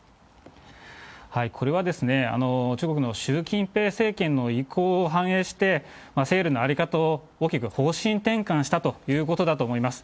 これは、中国の習近平政権の意向を反映して、セールの在り方を大きく方針転換したということだと思います。